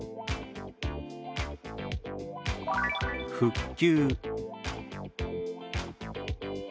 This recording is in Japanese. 「復旧」。